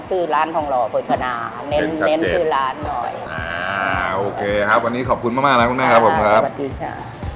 ชื่อร้านทองหล่อโภชนาเน้นเน้นชื่อร้านหน่อยอ่าโอเคครับวันนี้ขอบคุณมากมากนะคุณแม่ครับผมครับสวัสดีค่ะ